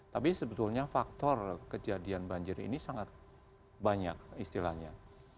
tapi sebetulnya faktor kejadian banjir ini sangat banyak istilahnya